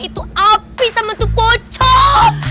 itu api sama tuh poco